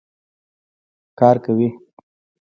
کار کوي.